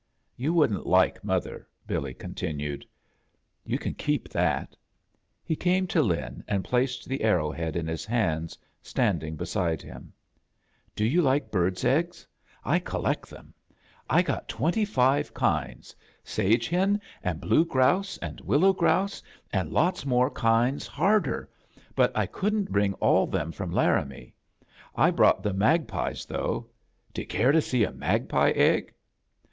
"You wouldn't like mother," Billy con tinued. "You can keep that." He came to Lin and placed the arrow head in his hands, standing beside him. "Do you like birds' eggs? I collect them. I got A JOURNEY IN SEARCH OF CHRKTMAS twenty five kinds — s^e hen, an* blue grouse, an' willow grouse, an' lots more kinds harder — but I couldn't bring all tbem from Laramie. I brought the m^ pie's, though, jy you care to see a mag pie egg?